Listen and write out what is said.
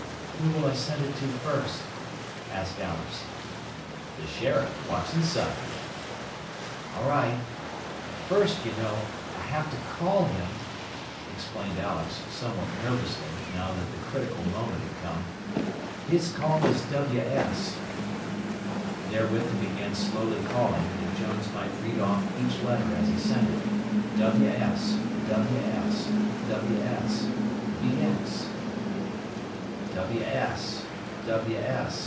"Who will I send it to first?" asked Alex. "The sheriff, Watson Siding." "All right. But first, you know, I have to call him," explained Alex, somewhat nervously, now that the critical moment had come. "His call is WS." Therewith he began slowly calling, that Jones might read off each letter as he sent it, "WS, WS, WS, BX."